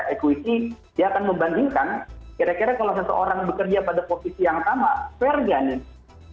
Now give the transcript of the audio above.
equisi dia akan membandingkan kira kira kalau seseorang bekerja pada posisi yang sama fair nggak nih